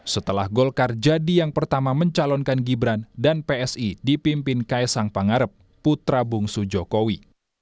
setelah golkar jadi yang pertama mencalonkan gibran dan psi dipimpin kaisang pangarep putra bungsu jokowi